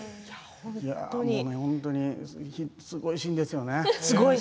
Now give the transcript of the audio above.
本当にすごいシーンですよね。